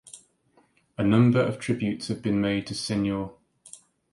A number of tributes have been made to Senior.